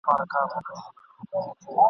ماته مو بېړۍ ده له توپان سره به څه کوو ..